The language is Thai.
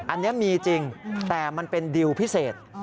อันนี้มีจริงแต่มันเป็นดิวพิเศษ